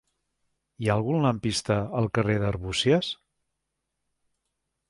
Hi ha algun lampista al carrer d'Arbúcies?